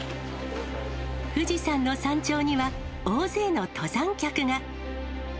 富士山の山頂には、大勢の登山客が。